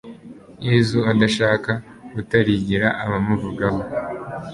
Yesu adashaka gutarigira abamuvagaho,